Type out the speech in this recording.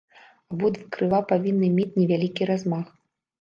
Абодва крыла павінны мець невялікі размах.